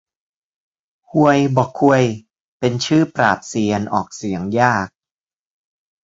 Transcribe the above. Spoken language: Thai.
ฮวยบ่อข่วย เป็นชื่อปราบเซียน ออกเสียงยาก